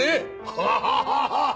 ハハハハ！